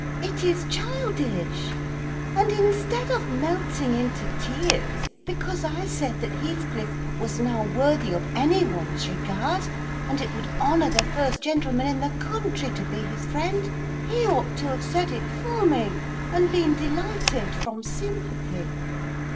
It is childish; and, instead of melting into tears because I said that Heathcliff was now worthy of anyone's regard, and it would honour the first gentleman in the country to be his friend, he ought to have said it for me, and been delighted from sympathy.